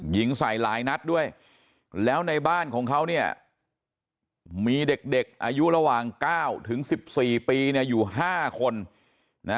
ยิงใส่หลายนัดด้วยแล้วในบ้านของเขาเนี่ยมีเด็กอายุระหว่าง๙ถึง๑๔ปีเนี่ยอยู่๕คนนะ